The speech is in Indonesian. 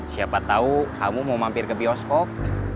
siapa tahu kamu mau mampir ke bioskop